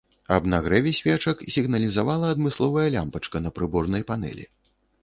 Аб нагрэве свечак сігналізавала адмысловая лямпачка на прыборнай панэлі.